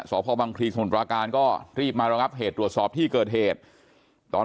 สพบังพลีสมุทรปราการก็รีบมาระงับเหตุตรวจสอบที่เกิดเหตุตอน